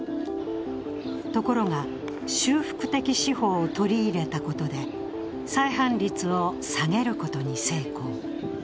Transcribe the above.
ところが、修復的司法を取り入れたことで、再犯率を下げることに成功。